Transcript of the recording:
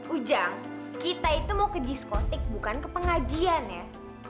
ujang kita itu mau ke diskotik bukan ke pengajian ya